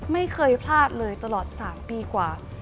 ไม่เคยพลาดเลยตลอด๓ปีกว่า